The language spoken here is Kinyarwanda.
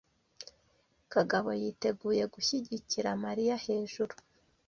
Kagabo yiteguye gushyigikira Mariya hejuru.